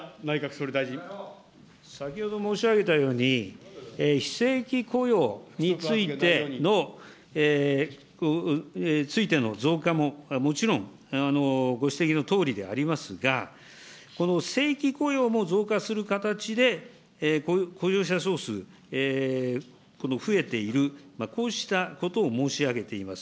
先ほど申し上げたように、非正規雇用についての増加ももちろん、ご指摘のとおりでありますが、この正規雇用も増加する形で、雇用者総数、増えている、こうしたことを申し上げています。